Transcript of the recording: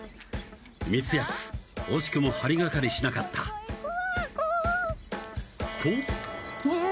光安惜しくもハリ掛かりしなかったとうぉ！